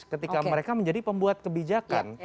ketika mereka menjadi pembuat kebijakan